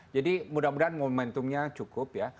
jadi mudah mudahan momentumnya cukup ya